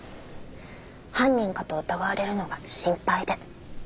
犯人かと疑われるのが心配で。